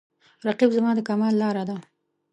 رقیب زما د کمال لاره ده